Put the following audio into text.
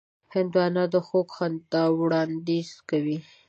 هندوانه د خوږ خندا وړاندیز کوي.